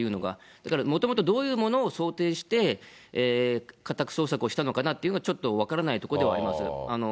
だから、もともとどういうものを想定して、家宅捜索をしたのかなっていうのが、ちょっと分からないところではあります。